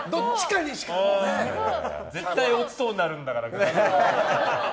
絶対落ちそうになるんだから。